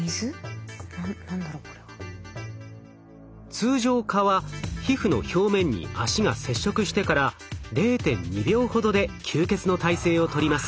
通常蚊は皮膚の表面に脚が接触してから０．２秒ほどで吸血の体勢をとります。